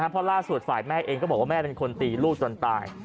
เพราะล่าสุดฝ่ายแม่เองก็บอกว่าแม่เป็นคนตีลูกจนตาย